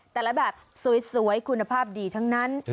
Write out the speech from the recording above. แต่ละแบบสวยคุณภาพดีทั้งนั้น